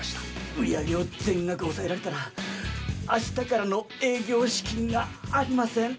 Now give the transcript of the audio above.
売り上げを全額押さえられたら明日からの営業資金がありません。